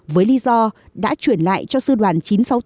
với lý do đã chuyển lại cho sư đoàn chín trăm sáu mươi tám